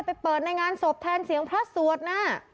ไปเปิดในงานศพแทนเสียงพระสวดน่ะ